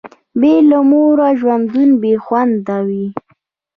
بي له موره ژوند بي خونده وي